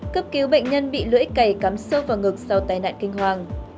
cấp cứu bệnh nhân bị lưỡi cày cắm sâu vào ngực sau tai nạn kinh hoàng